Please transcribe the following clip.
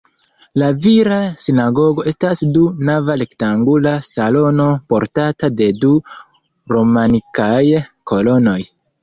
La vira sinagogo estas du-nava rektangula salono portata de du romanikaj kolonoj.